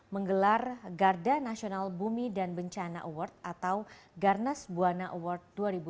menggelar garda nasional bumi dan bencana award atau garnas buana award dua ribu dua puluh